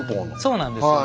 そうなんですよね。